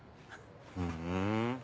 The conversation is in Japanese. ふん。